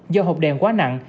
do hộp đèn quá nặng